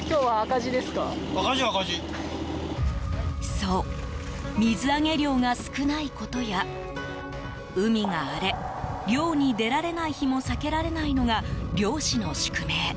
そう、水揚げ量が少ないことや海が荒れ、漁に出られない日も避けられないのが漁師の宿命。